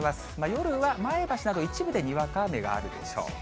夜は前橋など、一部でにわか雨があるでしょう。